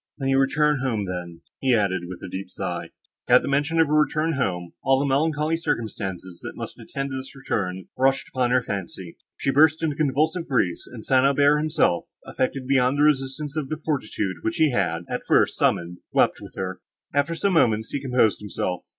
"When you return home, then," he added with a deep sigh— At the mention of her return home, all the melancholy circumstances, that must attend this return, rushed upon her fancy; she burst into convulsive grief, and St. Aubert himself, affected beyond the resistance of the fortitude which he had, at first, summoned, wept with her. After some moments, he composed himself.